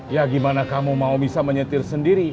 ya gimana kamu mau bisa menyetir sendiri